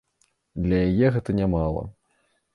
Для яе гэта нямала.